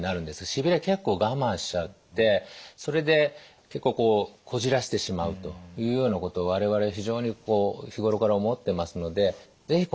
しびれ結構我慢しちゃってそれで結構こじらせてしまうというようなこと我々非常に日頃から思ってますので是非